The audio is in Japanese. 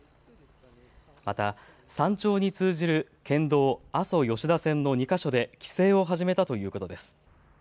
また、山頂に通じる県道阿蘇吉田線の２か所で規制を始めたということです。